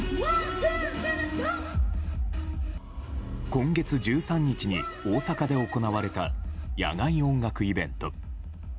今月１３日に大阪で行われた野外音楽イベント。